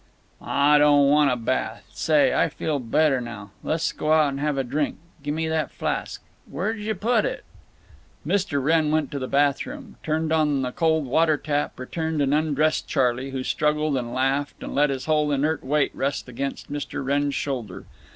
"Aw, don't want a bath. Say, I feel better now. Let's go out and have a drink. Gimme that flask. Where j' yuh put it?" Mr. Wrenn went to the bathroom, turned on the cold water tap, returned, and undressed Charley, who struggled and laughed and let his whole inert weight rest against Mr. Wrenn's shoulder.